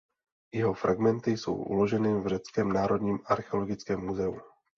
Jeho fragmenty jsou uloženy v řeckém Národním archeologickém muzeu.